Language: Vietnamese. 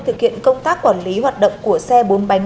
thực hiện công tác quản lý hoạt động của xe bốn bánh